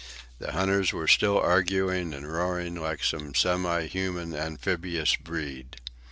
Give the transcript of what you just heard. The hunters were still arguing and roaring like some semi human amphibious breed.